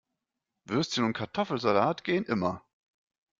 Würstchen und Kartoffelsalat gehen immer.